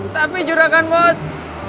tapi juragan bos